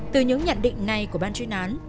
từ những nhận định này của ban chuyên án